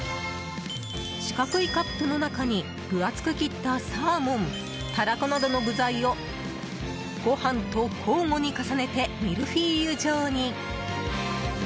四角いカップの中に分厚く切ったサーモンタラコなどの具材をご飯と交互に重ねてミルフィーユ状に。